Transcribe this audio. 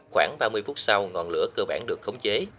khoảng ba mươi phút sau ngọn lửa cơ bản được khống chế